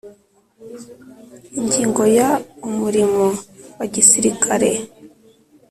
Ingingo ya umurimo wa gisirikare